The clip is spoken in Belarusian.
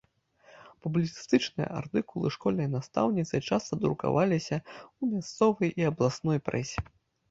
Публіцыстычныя артыкулы школьнай настаўніцы часта друкаваліся ў мясцовай і абласной прэсе.